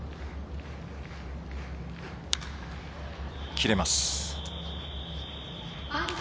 切れます。